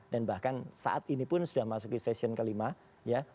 dan bahkan saat ini pun sudah memasuki session kelima ya